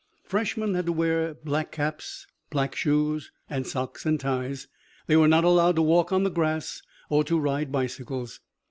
Freshmen had to wear black caps, black shoes and socks and ties. They were not allowed to walk on the grass or to ride bicycles.